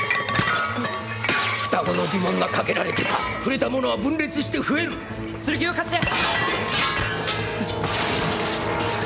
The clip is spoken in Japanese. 双子の呪文がかけられてた触れたものは分裂して増える剣を貸して！